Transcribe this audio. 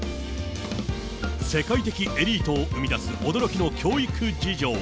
世界的エリートを生み出す驚きの教育事情。